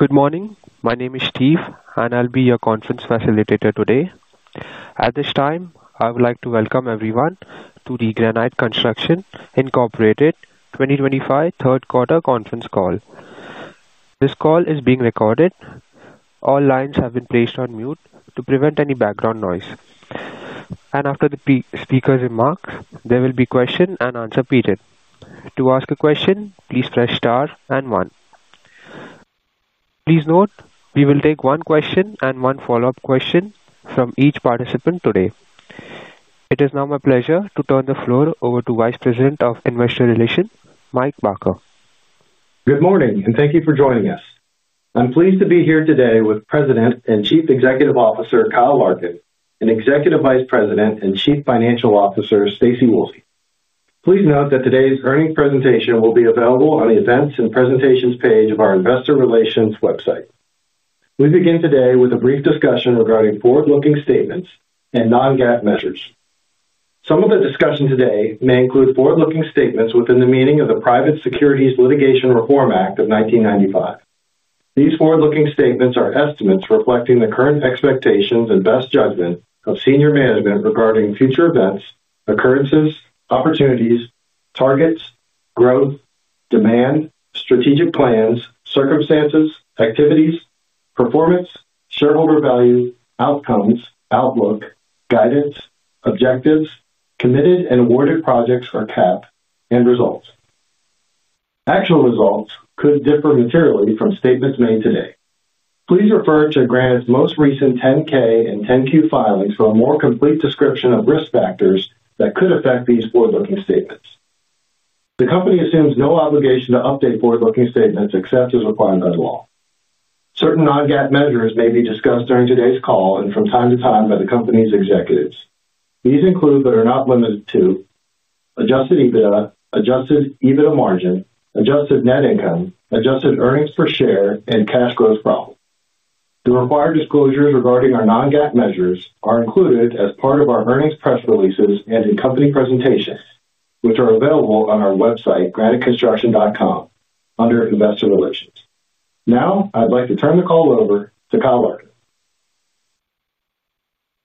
Good morning. My name is Steve, and I'll be your conference facilitator today. At this time, I would like to welcome everyone to the Granite Construction Incorporated 2025 third-quarter conference call. This call is being recorded. All lines have been placed on mute to prevent any background noise. After the speaker's remarks, there will be a question-and-answer period. To ask a question, please press star and one. Please note, we will take one question and one follow-up question from each participant today. It is now my pleasure to turn the floor over to Vice President of Investor Relations, Mike Barker. Good morning, and thank you for joining us. I'm pleased to be here today with President and Chief Executive Officer Kyle Larkin, and Executive Vice President and Chief Financial Officer Staci Woolsey. Please note that today's earnings presentation will be available on the Events and Presentations page of our Investor Relations website. We begin today with a brief discussion regarding forward-looking statements and non-GAAP measures. Some of the discussion today may include forward-looking statements within the meaning of the Private Securities Litigation Reform Act of 1995. These forward-looking statements are estimates reflecting the current expectations and best judgment of senior management regarding future events, occurrences, opportunities, targets, growth, demand, strategic plans, circumstances, activities, performance, shareholder value, outcomes, outlook, guidance, objectives, committed and awarded projects, or CAP, and results. Actual results could differ materially from statements made today. Please refer to Granite's most recent 10-K and 10-Q filings for a more complete description of risk factors that could affect these forward-looking statements. The company assumes no obligation to update forward-looking statements except as required by law. Certain non-GAAP measures may be discussed during today's call and from time to time by the company's executives. These include, but are not limited to, adjusted EBITDA, adjusted EBITDA margin, adjusted net income, adjusted earnings per share, and cash gross profit. The required disclosures regarding our non-GAAP measures are included as part of our earnings press releases and in company presentations, which are available on our website, graniteconstruction.com, under Investor Relations. Now, I'd like to turn the call over to Kyle Larkin.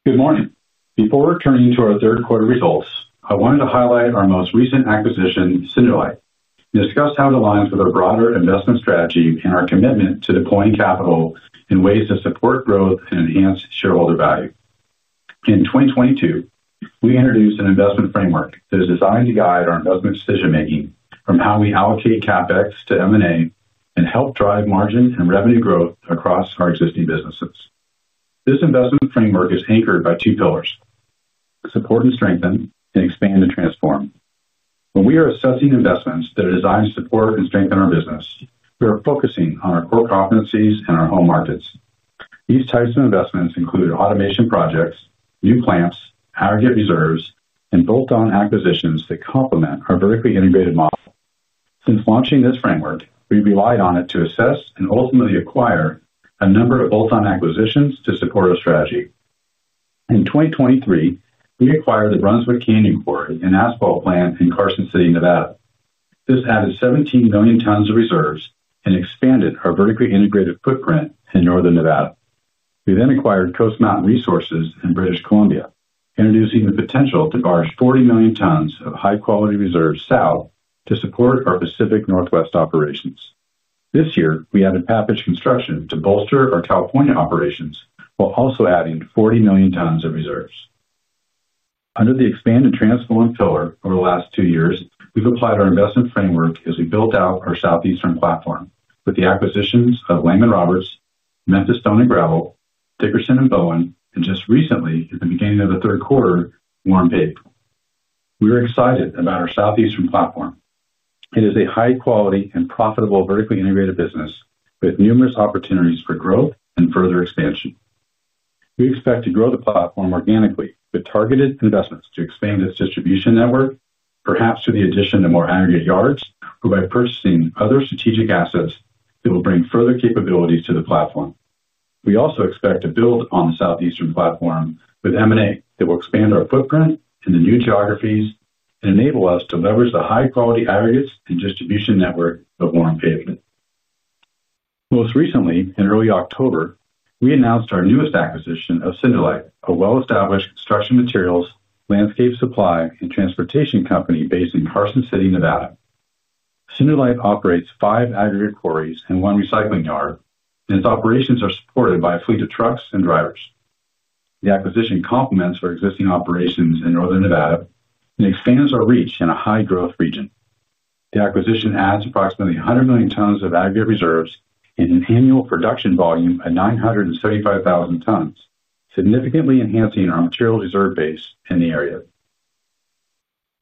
Good morning. Before turning to our third-quarter results, I wanted to highlight our most recent acquisition, Cindolite, and discuss how it aligns with our broader investment strategy and our commitment to deploying capital in ways to support growth and enhance shareholder value. In 2022, we introduced an investment framework that is designed to guide our investment decision-making from how we allocate CapEx to M&A and help drive margin and revenue growth across our existing businesses. This investment framework is anchored by two pillars: support and strengthen, and expand and transform. When we are assessing investments that are designed to support and strengthen our business, we are focusing on our core competencies and our home markets. These types of investments include automation projects, new plants, aggregate reserves, and bolt-on acquisitions that complement our vertically integrated model. Since launching this framework, we've relied on it to assess and ultimately acquire a number of bolt-on acquisitions to support our strategy. In 2023, we acquired the Brunswick Canyon Quarry and Asphalt Plant in Carson City, Nevada. This added 17 million tons of reserves and expanded our vertically integrated footprint in Northern Nevada. We then acquired Coast Mountain Resources in British Columbia, introducing the potential to barge 40 million tons of high-quality reserves south to support our Pacific Northwest operations. This year, we added Pappage Construction to bolster our California operations while also adding 40 million tons of reserves. Under the expand and transform pillar over the last two years, we've applied our investment framework as we built out our southeastern platform with the acquisitions of Lehman Roberts, Memphis Stone & Gravel, Dickerson & Bowen, and just recently, at the beginning of the third quarter, Warren Paving. We are excited about our southeastern platform. It is a high-quality and profitable vertically integrated business with numerous opportunities for growth and further expansion. We expect to grow the platform organically with targeted investments to expand its distribution network, perhaps through the addition of more aggregate yards or by purchasing other strategic assets that will bring further capabilities to the platform. We also expect to build on the southeastern platform with M&A that will expand our footprint in the new geographies and enable us to leverage the high-quality aggregates and distribution network of Warren Paving. Most recently, in early October, we announced our newest acquisition of Cindolite, a well-established construction materials, landscape supply, and transportation company based in Carson City, Nevada. Cindolite operates five aggregate quarries and one recycling yard, and its operations are supported by a fleet of trucks and drivers. The acquisition complements our existing operations in Northern Nevada and expands our reach in a high-growth region. The acquisition adds approximately 100 million tons of aggregate reserves and an annual production volume of 975,000 tons, significantly enhancing our material reserve base in the area.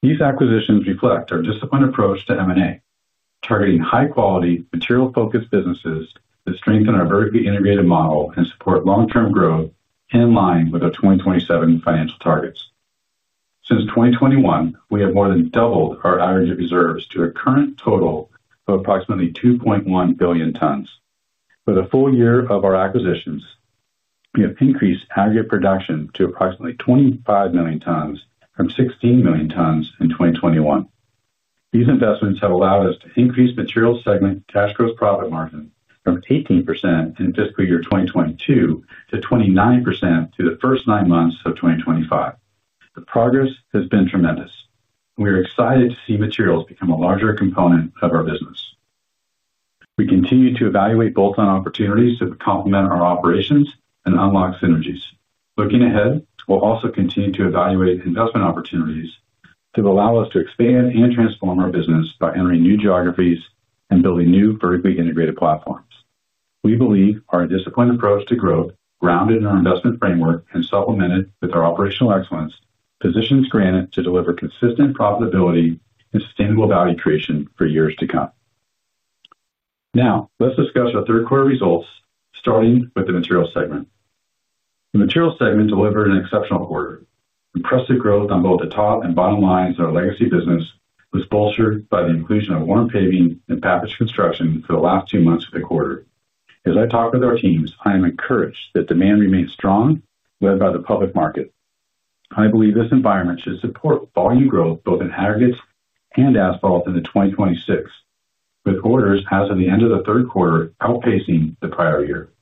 These acquisitions reflect our disciplined approach to M&A, targeting high-quality, material-focused businesses that strengthen our vertically integrated model and support long-term growth in line with our 2027 financial targets. Since 2021, we have more than doubled our aggregate reserves to a current total of approximately 2.1 billion tons. For the full year of our acquisitions, we have increased aggregate production to approximately 25 million tons from 16 million tons in 2021. These investments have allowed us to increase material segment cash gross profit margin from 18% in fiscal year 2022 to 29% through the first nine months of 2025. The progress has been tremendous. We are excited to see materials become a larger component of our business. We continue to evaluate bolt-on opportunities to complement our operations and unlock synergies. Looking ahead, we'll also continue to evaluate investment opportunities that will allow us to expand and transform our business by entering new geographies and building new vertically integrated platforms. We believe our disciplined approach to growth, grounded in our investment framework and supplemented with our operational excellence, positions Granite to deliver consistent profitability and sustainable value creation for years to come. Now, let's discuss our third-quarter results, starting with the materials segment. The materials segment delivered an exceptional quarter. Impressive growth on both the top and bottom lines of our legacy business was bolstered by the inclusion of Warren Paving and Pappage Construction for the last two months of the quarter. As I talk with our teams, I am encouraged that demand remains strong, led by the public market. I believe this environment should support volume growth both in aggregates and asphalt in 2026, with orders as of the end of the third quarter outpacing the prior year.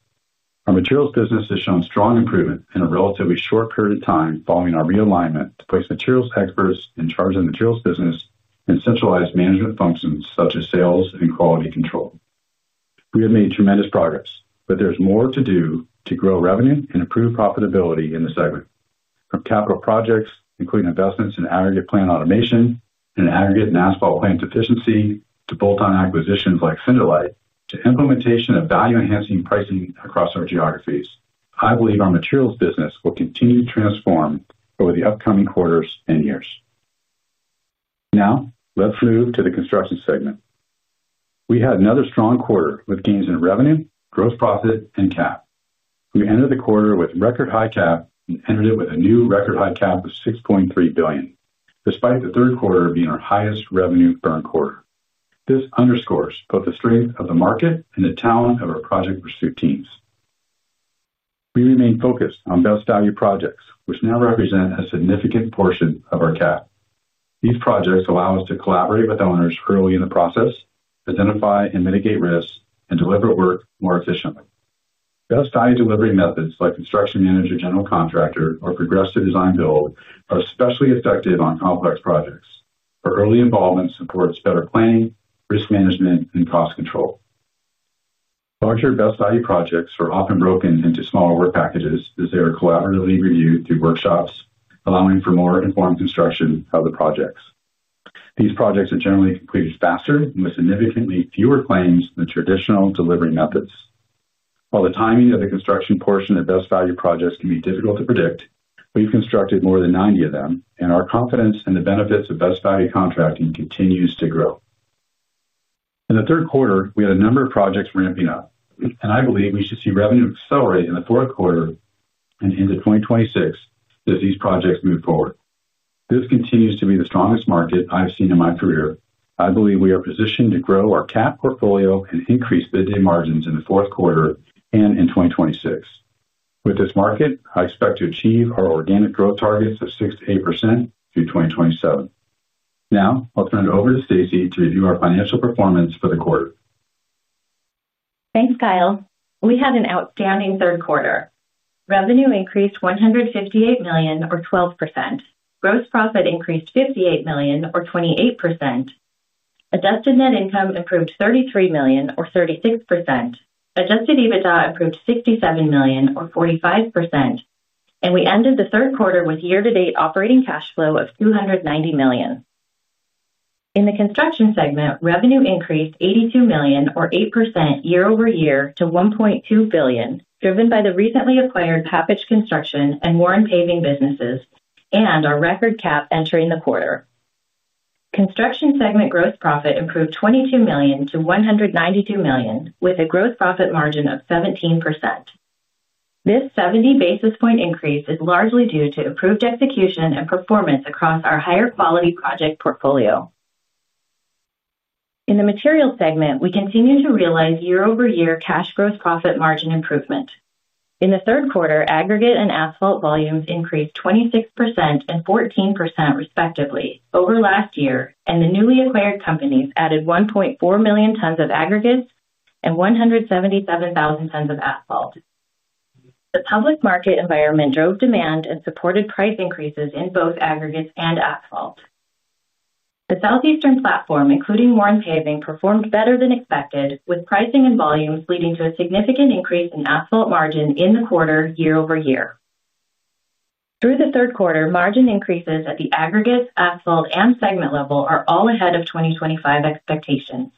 Our materials business has shown strong improvement in a relatively short period of time following our realignment to place materials experts in charge of the materials business and centralized management functions such as sales and quality control. We have made tremendous progress, but there's more to do to grow revenue and improve profitability in the segment. From capital projects, including investments in aggregate plant automation and aggregate and asphalt plant efficiency, to bolt-on acquisitions like Cindolite, to implementation of value-enhancing pricing across our geographies, I believe our materials business will continue to transform over the upcoming quarters and years. Now, let's move to the construction segment. We had another strong quarter with gains in revenue, gross profit, and CAP. We entered the quarter with record high CAP and entered it with a new record high CAP of $6.3 billion, despite the third quarter being our highest revenue-burn quarter. This underscores both the strength of the market and the talent of our project pursuit teams. We remain focused on best value projects, which now represent a significant portion of our CAP. These projects allow us to collaborate with owners early in the process, identify and mitigate risks, and deliver work more efficiently. Best value delivery methods like construction manager general contractor or progressive design build are especially effective on complex projects. Early involvement supports better planning, risk management, and cost control. Larger best value projects are often broken into smaller work packages as they are collaboratively reviewed through workshops, allowing for more informed construction of the projects. These projects are generally completed faster and with significantly fewer claims than traditional delivery methods. While the timing of the construction portion of best value projects can be difficult to predict, we've constructed more than 90 of them, and our confidence in the benefits of best value contracting continues to grow. In the third quarter, we had a number of projects ramping up, and I believe we should see revenue accelerate in the fourth quarter and into 2026 as these projects move forward. This continues to be the strongest market I've seen in my career. I believe we are positioned to grow our CAP portfolio and increase bid-day margins in the fourth quarter and in 2026. With this market, I expect to achieve our organic growth targets of 6%-8% through 2027. Now, I'll turn it over to Staci to review our financial performance for the quarter. Thanks, Kyle. We had an outstanding third quarter. Revenue increased $158 million, or 12%. Gross profit increased $58 million, or 28%. Adjusted net income improved $33 million, or 36%. Adjusted EBITDA improved $67 million, or 45%. We ended the third quarter with year-to-date operating cash flow of $290 million. In the construction segment, revenue increased $82 million, or 8% year over year, to $1.2 billion, driven by the recently acquired Pappage Construction and Warren Paving businesses and our record CAP entering the quarter. Construction segment gross profit improved $22 million to $192 million, with a gross profit margin of 17%. This 70 basis point increase is largely due to improved execution and performance across our higher quality project portfolio. In the materials segment, we continue to realize year-over-year cash gross profit margin improvement. In the third quarter, aggregate and asphalt volumes increased 26% and 14%, respectively, over last year, and the newly acquired companies added 1.4 million tons of aggregates and 177,000 tons of asphalt. The public market environment drove demand and supported price increases in both aggregates and asphalt. The southeastern platform, including Warren Paving, performed better than expected, with pricing and volumes leading to a significant increase in asphalt margin in the quarter year over year. Through the third quarter, margin increases at the aggregate, asphalt, and segment level are all ahead of 2025 expectations.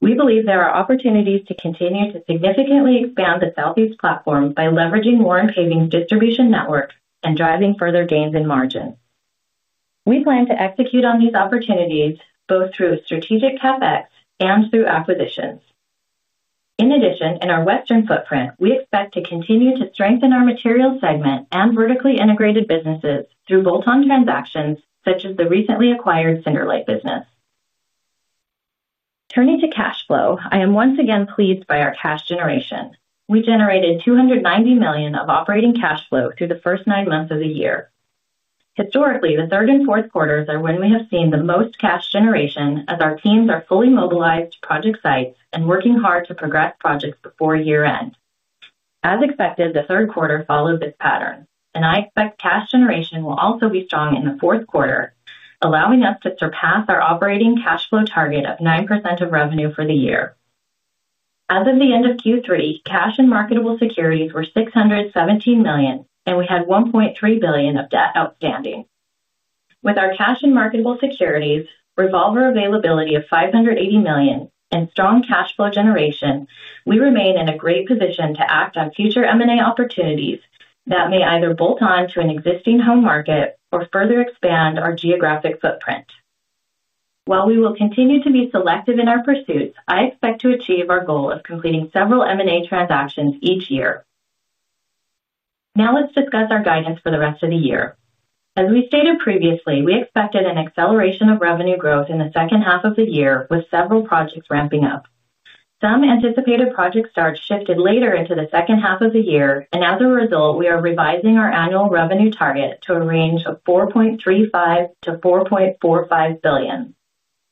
We believe there are opportunities to continue to significantly expand the southeast platform by leveraging Warren Paving's distribution network and driving further gains in margin. We plan to execute on these opportunities both through strategic CapEx and through acquisitions. In addition, in our western footprint, we expect to continue to strengthen our materials segment and vertically integrated businesses through bolt-on transactions such as the recently acquired Cindolite business. Turning to cash flow, I am once again pleased by our cash generation. We generated $290 million of operating cash flow through the first nine months of the year. Historically, the third and fourth quarters are when we have seen the most cash generation as our teams are fully mobilized to project sites and working hard to progress projects before year-end. As expected, the third quarter followed this pattern, and I expect cash generation will also be strong in the fourth quarter, allowing us to surpass our operating cash flow target of 9% of revenue for the year. As of the end of Q3, cash and marketable securities were $617 million, and we had $1.3 billion of debt outstanding. With our cash and marketable securities, revolver availability of $580 million, and strong cash flow generation, we remain in a great position to act on future M&A opportunities that may either bolt on to an existing home market or further expand our geographic footprint. While we will continue to be selective in our pursuits, I expect to achieve our goal of completing several M&A transactions each year. Now, let's discuss our guidance for the rest of the year. As we stated previously, we expected an acceleration of revenue growth in the second half of the year with several projects ramping up. Some anticipated project starts shifted later into the second half of the year, and as a result, we are revising our annual revenue target to a range of $4.35 billion-$4.45 billion.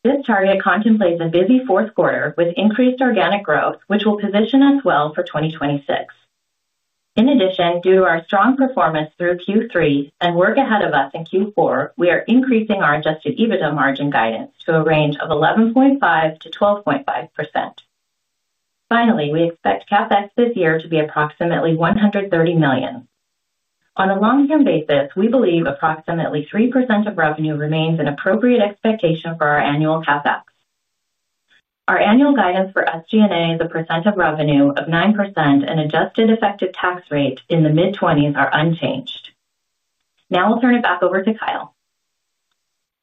This target contemplates a busy fourth quarter with increased organic growth, which will position us well for 2026. In addition, due to our strong performance through Q3 and work ahead of us in Q4, we are increasing our adjusted EBITDA margin guidance to a range of 11.5%-12.5%. Finally, we expect CapEx this year to be approximately $130 million. On a long-term basis, we believe approximately 3% of revenue remains an appropriate expectation for our annual CapEx. Our annual guidance for SG&A as a percent of revenue of 9% and adjusted effective tax rate in the mid-20s are unchanged. Now, I'll turn it back over to Kyle.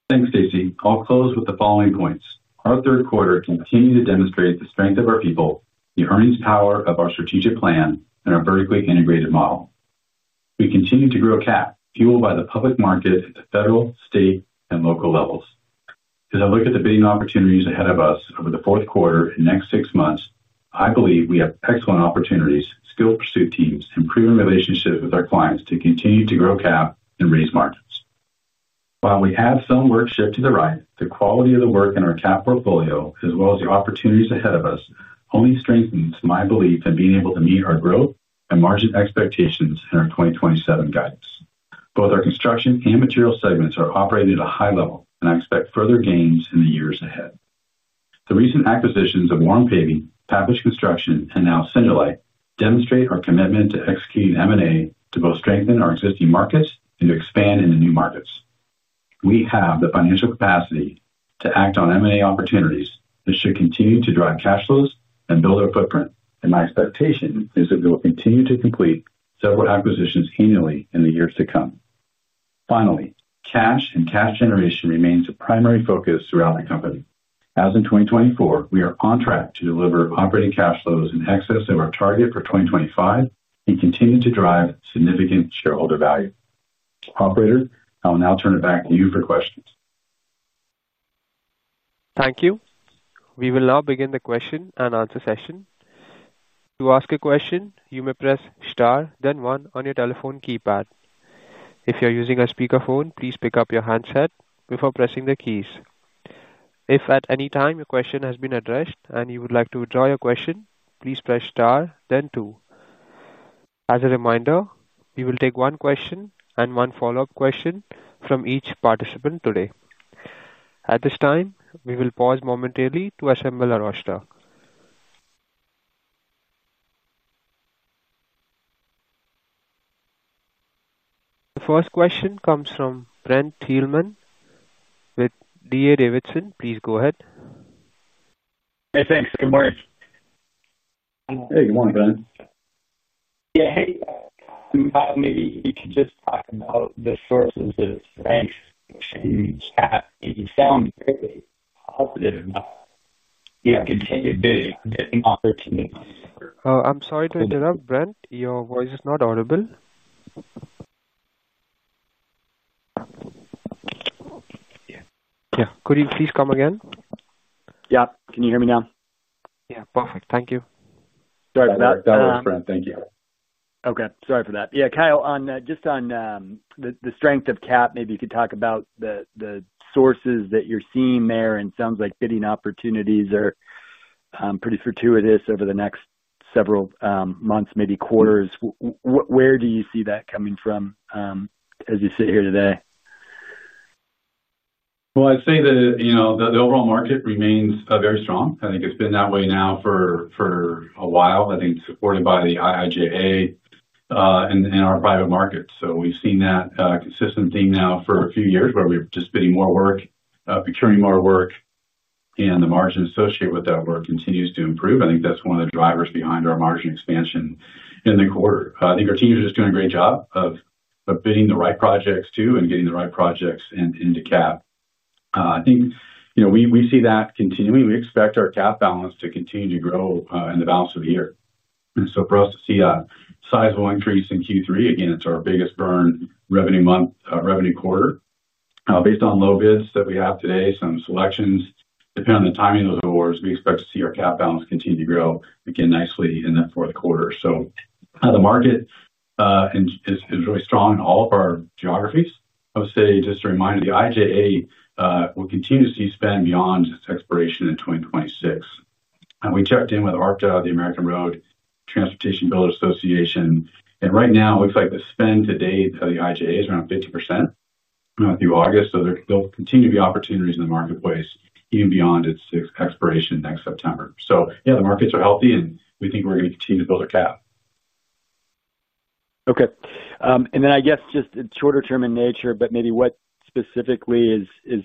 Thanks, Staci. I'll close with the following points. Our third quarter continued to demonstrate the strength of our people, the earnings power of our strategic plan, and our vertically integrated model. We continue to grow CAP fueled by the public market at the federal, state, and local levels. As I look at the bidding opportunities ahead of us over the fourth quarter and next six months, I believe we have excellent opportunities, skilled pursuit teams, and proven relationships with our clients to continue to grow CAP and raise margins. While we have some work shift to the right, the quality of the work in our CAP portfolio, as well as the opportunities ahead of us, only strengthens my belief in being able to meet our growth and margin expectations in our 2027 guidance. Both our construction and materials segments are operating at a high level, and I expect further gains in the years ahead. The recent acquisitions of Warren Paving, Pappage Construction, and now Cindolite demonstrate our commitment to executing M&A to both strengthen our existing markets and to expand into new markets. We have the financial capacity to act on M&A opportunities that should continue to drive cash flows and build our footprint, and my expectation is that we will continue to complete several acquisitions annually in the years to come. Finally, cash and cash generation remains a primary focus throughout the company. As in 2024, we are on track to deliver operating cash flows in excess of our target for 2025 and continue to drive significant shareholder value. Operator, I will now turn it back to you for questions. Thank you. We will now begin the question and answer session. To ask a question, you may press star, then one on your telephone keypad. If you're using a speakerphone, please pick up your handset before pressing the keys. If at any time your question has been addressed and you would like to withdraw your question, please press star, then two. As a reminder, we will take one question and one follow-up question from each participant today. At this time, we will pause momentarily to assemble our roster. The first question comes from Brent Thielman with D.A. Davidson, please go ahead. Hey, thanks. Good morning. Hey, good morning, Brent. Yeah, hey, maybe you could just talk about the sources of the banks change. That sounds very positive about continued bidding and bidding opportunities. I'm sorry to interrupt, Brent. Your voice is not audible. Yeah, could you please come again? Yeah, can you hear me now? Yeah, perfect. Thank you. Sorry for that. That was Brent. Thank you. Okay, sorry for that. Yeah, Kyle, just on the strength of CAP, maybe you could talk about the sources that you're seeing there, and it sounds like bidding opportunities are pretty fortuitous over the next several months, maybe quarters. Where do you see that coming from as you sit here today? I’d say that the overall market remains very strong. I think it’s been that way now for a while. I think it’s supported by the IIJA and our private market. We’ve seen that consistent theme now for a few years where we’ve just been doing more work, procuring more work. The margin associated with that work continues to improve. I think that’s one of the drivers behind our margin expansion in the quarter. I think our team is just doing a great job of bidding the right projects too and getting the right projects into CAP. I think we see that continuing. We expect our CAP balance to continue to grow in the balance of the year. For us to see a sizable increase in Q3, again, it’s our biggest burn revenue month, revenue quarter. Based on low bids that we have today, some selections, depending on the timing of those awards, we expect to see our CAP balance continue to grow again nicely in the fourth quarter. The market is really strong in all of our geographies. I would say just to remind you, the IIJA will continue to see spend beyond its expiration in 2026. We checked in with ARPTA, the American Road & Transportation Builders Association, and right now it looks like the spend to date of the IIJA is around 50% through August, so there will continue to be opportunities in the marketplace even beyond its expiration next September. The markets are healthy, and we think we're going to continue to build our CAP. Okay. I guess just it's shorter term in nature, but maybe what specifically is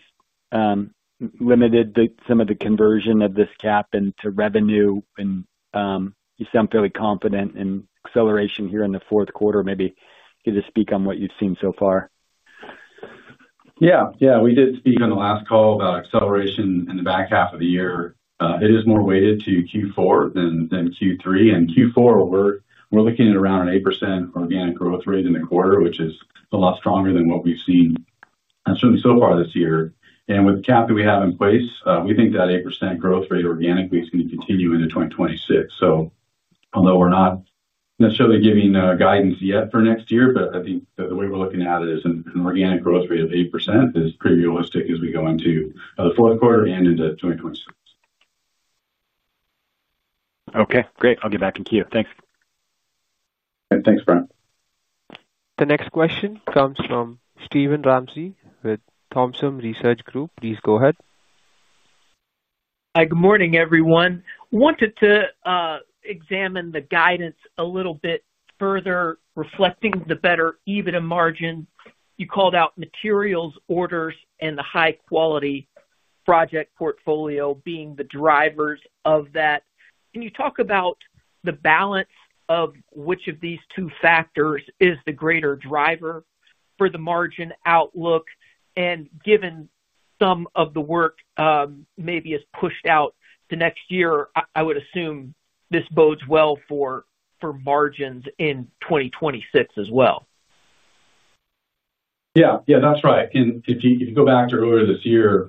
limited some of the conversion of this CAP into revenue? You sound fairly confident in acceleration here in the fourth quarter. Maybe you could just speak on what you've seen so far. Yeah, yeah, we did speak on the last call about acceleration in the back half of the year. It is more weighted to Q4 than Q3. In Q4, we're looking at around an 8% organic growth rate in the quarter, which is a lot stronger than what we've seen so far this year. With the CAP that we have in place, we think that 8% growth rate organically is going to continue into 2026. Although we're not necessarily giving guidance yet for next year, I think the way we're looking at it is an organic growth rate of 8% is pretty realistic as we go into the fourth quarter and into 2026. Okay, great. I'll get back in queue. Thanks. Thanks, Brent. The next question comes from Steven Ramsey with Thompson Research Group. Please go ahead. Hi, good morning, everyone. Wanted to examine the guidance a little bit further, reflecting the better EBITDA margin. You called out materials, orders, and the high-quality project portfolio being the drivers of that. Can you talk about the balance of which of these two factors is the greater driver for the margin outlook? Given some of the work maybe is pushed out to next year, I would assume this bodes well for margins in 2026 as well. Yeah, yeah, that's right. If you go back to earlier this year,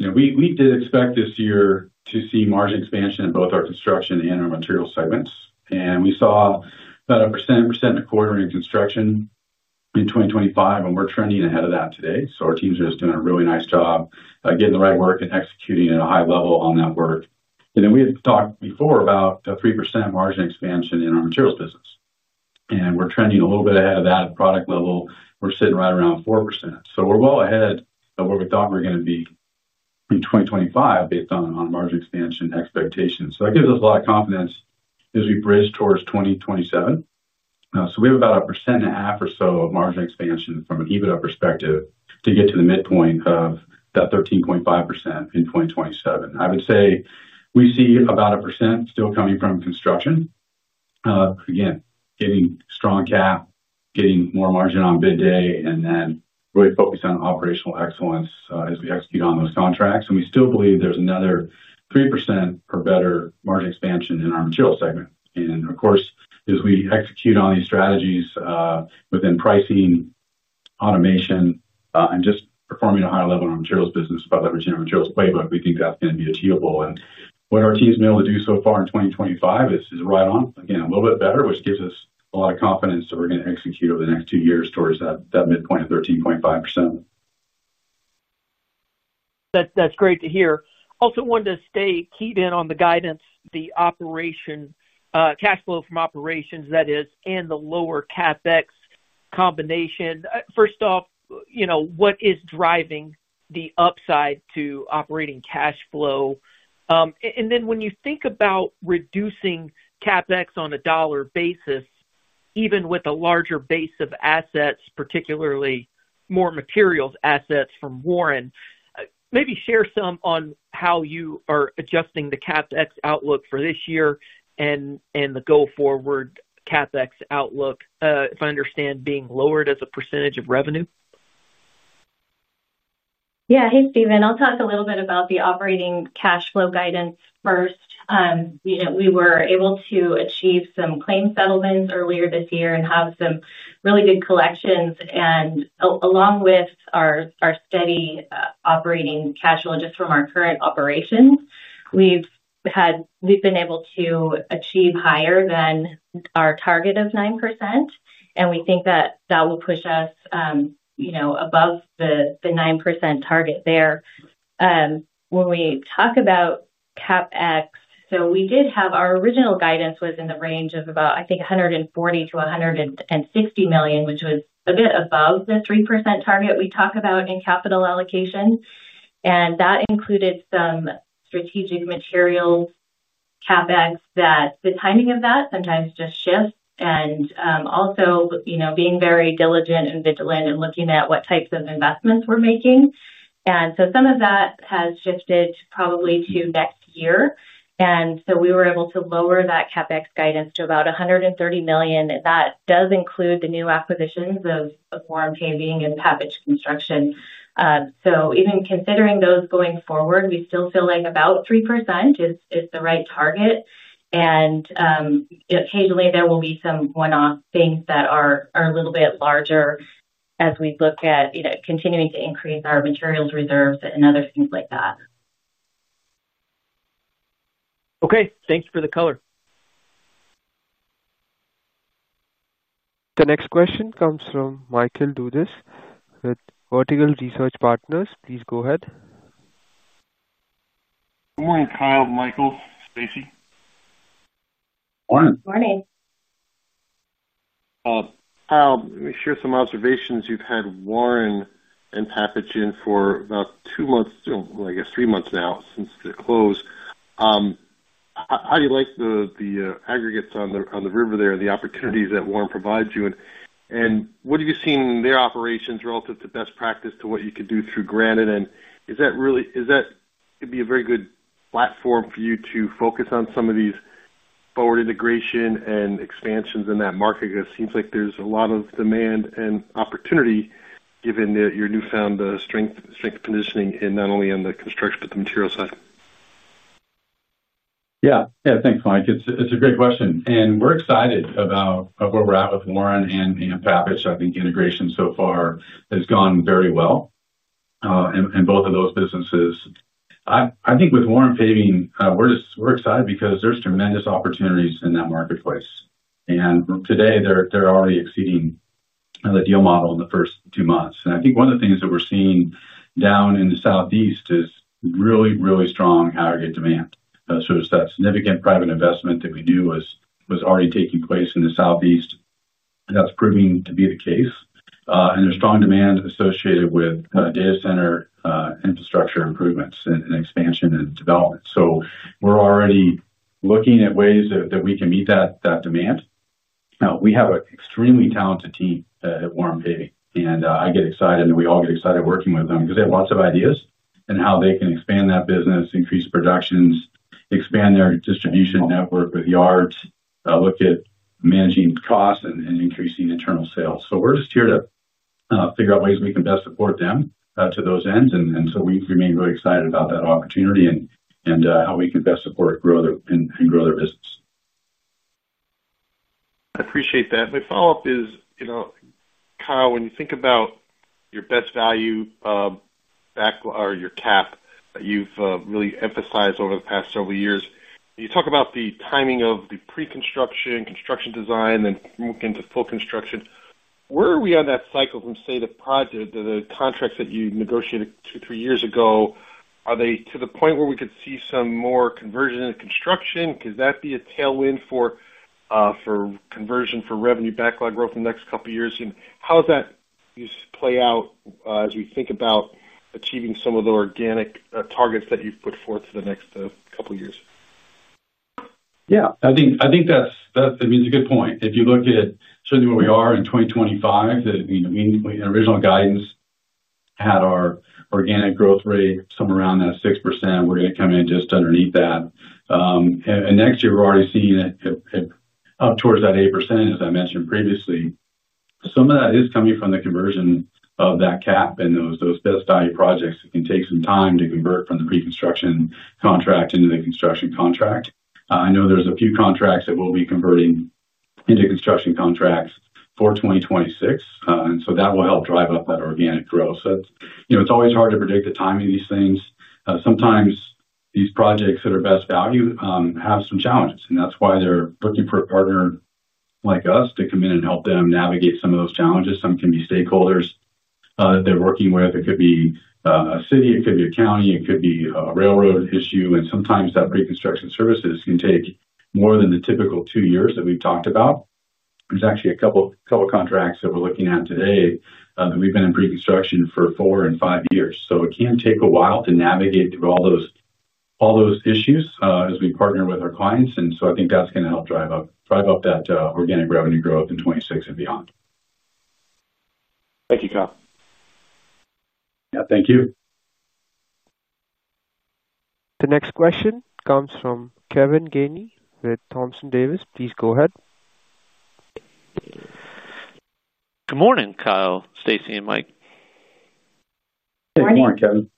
we did expect this year to see margin expansion in both our construction and our materials segments. We saw about 1%, 1.25% in construction in 2025, and we're trending ahead of that today. Our teams are just doing a really nice job getting the right work and executing at a high level on that work. We had talked before about the 3% margin expansion in our materials business. We're trending a little bit ahead of that at product level. We're sitting right around 4%. We are well ahead of where we thought we were going to be in 2025 based on our margin expansion expectations. That gives us a lot of confidence as we bridge towards 2027. We have about 1.5% or so of margin expansion from an EBITDA perspective to get to the midpoint of that 13.5% in 2027. I would say we see about 1% still coming from construction. Again, getting strong CAP, getting more margin on bid day, and then really focusing on operational excellence as we execute on those contracts. We still believe there is another 3% or better margin expansion in our materials segment. Of course, as we execute on these strategies within pricing, automation, and just performing at a higher level in our materials business by leveraging our materials playbook, we think that is going to be achievable. What our team's been able to do so far in 2025 is right on, again, a little bit better, which gives us a lot of confidence that we're going to execute over the next two years towards that midpoint of 13.5%. That's great to hear. Also, wanted to stay keyed in on the guidance, the operating cash flow from operations, that is, and the lower CapEx combination. First off. What is driving the upside to operating cash flow? Then when you think about reducing CapEx on a dollar basis, even with a larger base of assets, particularly more materials assets from Warren, maybe share some on how you are adjusting the CapEx outlook for this year and the go forward CapEx outlook, if I understand being lowered as a percentage of revenue. Yeah, hey, Steven. I'll talk a little bit about the operating cash flow guidance first. We were able to achieve some claim settlements earlier this year and have some really good collections. Along with our steady operating cash flow just from our current operations, we've been able to achieve higher than our target of 9%. We think that that will push us above the 9% target there. When we talk about CapEx, our original guidance was in the range of about, I think, $140 million-$160 million, which was a bit above the 3% target we talk about in capital allocation. That included some strategic materials CapEx that the timing of that sometimes just shifts. Also, being very diligent and vigilant and looking at what types of investments we're making. Some of that has shifted probably to next year. We were able to lower that CapEx guidance to about $130 million. That does include the new acquisitions of Warren Paving and Pappage Construction. Even considering those going forward, we still feel like about 3% is the right target. Occasionally there will be some one-off things that are a little bit larger as we look at continuing to increase our materials reserves and other things like that. Okay, thanks for the color. The next question comes from Michael Dudas with Vertical Research Partners. Please go ahead. Good morning, Kyle, Michael, Staci. Morning. Morning. Let me share some observations. You have had Warren and Pappage in for about two months, I guess three months now since the close. How do you like the aggregates on the river there and the opportunities that Warren provides you? What have you seen in their operations relative to best practice to what you could do through Granite? Is that really going to be a very good platform for you to focus on some of these forward integration and expansions in that market? It seems like there is a lot of demand and opportunity given your newfound strength positioning in not only on the construction but the materials side. Yeah, thanks, Mike. It's a great question. We're excited about where we're at with Warren and Pappage. I think integration so far has gone very well in both of those businesses. I think with Warren Paving, we're excited because there's tremendous opportunities in that marketplace. Today they're already exceeding the deal model in the first two months. I think one of the things that we're seeing down in the southeast is really, really strong aggregate demand. It's that significant private investment that we knew was already taking place in the southeast that's proving to be the case. There's strong demand associated with data center infrastructure improvements and expansion and development. We're already looking at ways that we can meet that demand. We have an extremely talented team at Warren Paving. I get excited, and we all get excited working with them because they have lots of ideas and how they can expand that business, increase productions, expand their distribution network with yards, look at managing costs, and increasing internal sales. We are just here to figure out ways we can best support them to those ends. We remain really excited about that opportunity and how we can best support growth and grow their business. I appreciate that. My follow-up is, Kyle, when you think about your best value or your CAP that you've really emphasized over the past several years, you talk about the timing of the pre-construction, construction design, then moving to full construction. Where are we on that cycle from, say, the project, the contracts that you negotiated two or three years ago? Are they to the point where we could see some more conversion in construction? Could that be a tailwind for conversion for revenue backlog growth in the next couple of years? How does that play out as we think about achieving some of the organic targets that you've put forth for the next couple of years? Yeah, I think that's a good point. If you look at certainly where we are in 2025, the original guidance had our organic growth rate somewhere around that 6%. We're going to come in just underneath that. Next year, we're already seeing up towards that 8%, as I mentioned previously. Some of that is coming from the conversion of that CAP and those best value projects. It can take some time to convert from the pre-construction contract into the construction contract. I know there's a few contracts that we'll be converting into construction contracts for 2026. That will help drive up that organic growth. It's always hard to predict the timing of these things. Sometimes these projects that are best value have some challenges. That is why they are looking for a partner like us to come in and help them navigate some of those challenges. Some can be stakeholders that they are working with. It could be a city, it could be a county, it could be a railroad issue. Sometimes that pre-construction services can take more than the typical two years that we have talked about. There are actually a couple of contracts that we are looking at today that we have been in pre-construction for four and five years. It can take a while to navigate through all those issues as we partner with our clients. I think that is going to help drive up that organic revenue growth in 2026 and beyond. Thank you, Kyle. Yeah, thank you. The next question comes from Kevin Gainey with Thomson Davis. Please go ahead. Good morning, Kyle, Staci, and Mike. Good morning, Kevin.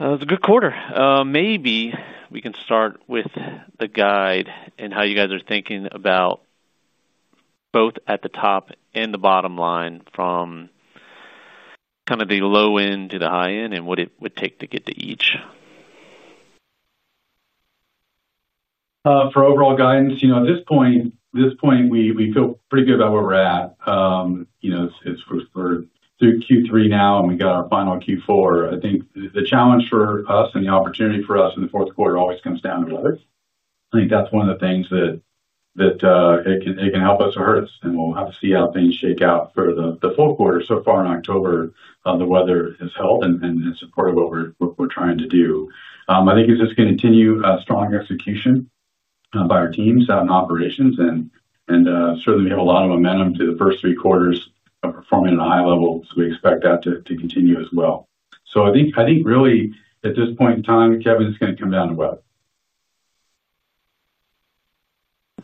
It's a good quarter. Maybe we can start with the guide and how you guys are thinking about both at the top and the bottom line from kind of the low end to the high end and what it would take to get to each. For overall guidance, at this point. We feel pretty good about where we're at. It's through Q3 now, and we got our final Q4. I think the challenge for us and the opportunity for us in the fourth quarter always comes down to weather. I think that's one of the things that. It can help us or hurt us. We will have to see how things shake out for the full quarter. So far in October, the weather has held and supported what we're trying to do. I think it's just going to continue strong execution by our teams out in operations. Certainly, we have a lot of momentum through the first three quarters of performing at a high level. We expect that to continue as well. I think really, at this point in time, Kevin's going to come down to weather.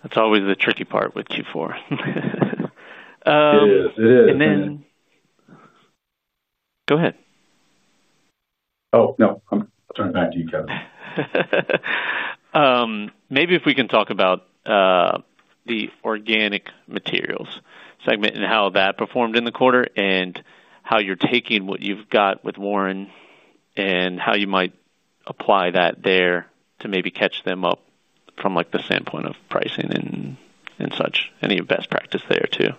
That's always the tricky part with Q4. It is, it is. Go ahead. Oh, no, I'm turning back to you, Kevin. Maybe if we can talk about the organic materials segment and how that performed in the quarter and how you're taking what you've got with Warren and how you might apply that there to maybe catch them up from the standpoint of pricing and such, any best practice there too.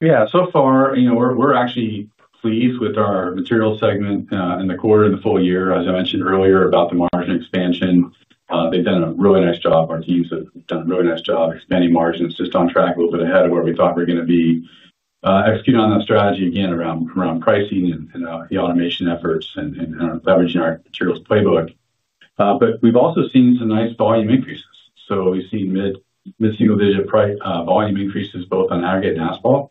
Yeah, so far, we're actually pleased with our materials segment in the quarter and the full year. As I mentioned earlier about the margin expansion, they've done a really nice job. Our teams have done a really nice job expanding margins. Just on track a little bit ahead of where we thought we were going to be. Execute on that strategy again around pricing and the automation efforts and leveraging our materials playbook. We have also seen some nice volume increases. We have seen mid-single digit volume increases both on aggregate and asphalt.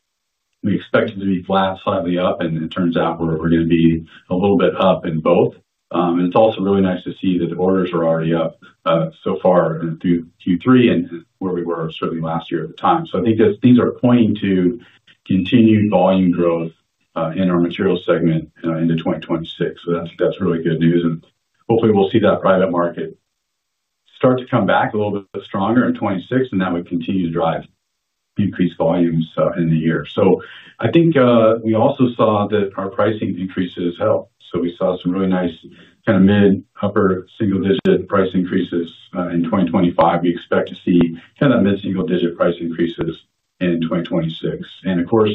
We expected to be flat, slightly up, and it turns out we're going to be a little bit up in both. It is also really nice to see that the orders are already up so far through Q3 and where we were certainly last year at the time. I think these are pointing to continued volume growth in our materials segment into 2026. That is really good news. Hopefully, we will see that private market start to come back a little bit stronger in 2026, and that would continue to drive increased volumes in the year. I think we also saw that our pricing increases helped. We saw some really nice kind of mid-upper single digit price increases in 2025. We expect to see kind of that mid-single digit price increases in 2026. Of course,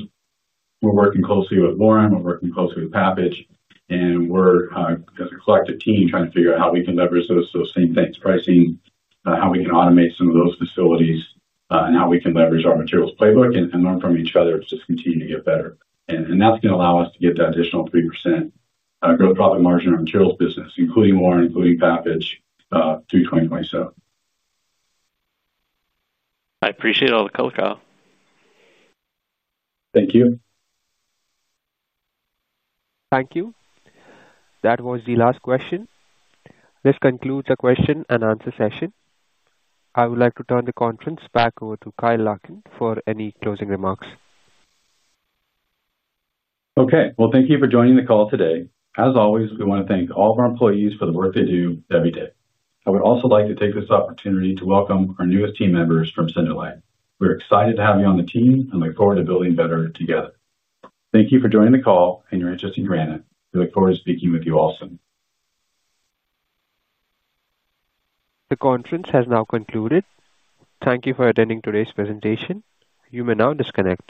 we are working closely with Warren. We are working closely with Pappage. We are, as a collective team, trying to figure out how we can leverage those same things, pricing, how we can automate some of those facilities, and how we can leverage our materials playbook and learn from each other to just continue to get better. That is going to allow us to get that additional 3% gross profit margin in our materials business, including Warren, including Pappage through 2027. I appreciate all the color, Kyle. Thank you. Thank you. That was the last question. This concludes the question and answer session. I would like to turn the conference back over to Kyle Larkin for any closing remarks. Okay, thank you for joining the call today. As always, we want to thank all of our employees for the work they do every day. I would also like to take this opportunity to welcome our newest team members from Cindolite. We're excited to have you on the team and look forward to building better together. Thank you for joining the call and your interest in Granite. We look forward to speaking with you all soon. The conference has now concluded. Thank you for attending today's presentation. You may now disconnect.